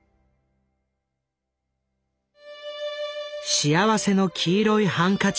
「幸福の黄色いハンカチ」